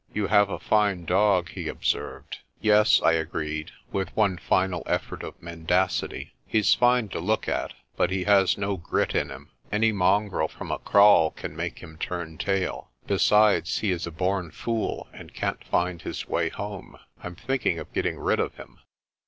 "You have a fine dog," he observed. "Yes," I agreed, with one final effort of mendacity, "he's fine to look at, but he has no grit in him. Any mongrel from a kraal can make him turn tail. Besides he is a born fool and can't find his way home. I'm thinking of getting rid of him."